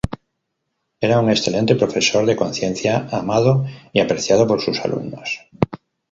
Era un excelente profesor, de conciencia, amado y apreciado por sus alumnos.